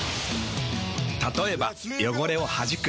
たとえば汚れをはじく。